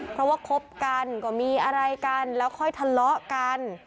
เพราะว่าคบกันก็มีอะไรกันแล้วค่อยทะเลาะกัน